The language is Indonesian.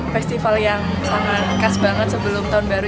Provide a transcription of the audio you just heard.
festival yang sangat khas banget sebelum tahun baru